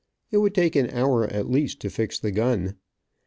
It would take an hour at least to fix the gun.